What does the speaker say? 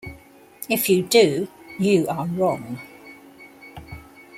If you do, you are wrong.